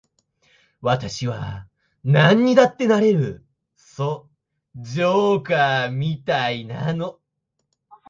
私はなんにだってなれる、そう、ジョーカーみたいなの。